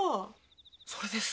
それです。